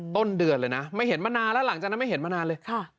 ต้นเดือนเลยนะไม่เห็นมานานแล้วหลังจากนั้นไม่เห็นมานานเลยค่ะ